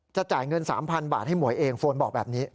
จะจ่ายเงินสามพันบาทให้หมวยเองฟ้นบอกแบบนี้